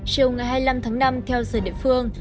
chiều ngày hai mươi năm tháng năm theo giờ địa phương